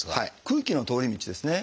空気の通り道ですね。